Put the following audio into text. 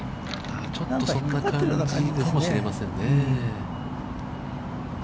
ちょっとそんな感じかもしれませんね。